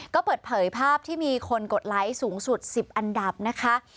ก็เปิดเผยภาพที่มีคนกดไลค์สูงสุด๑๐อันดับนะคะ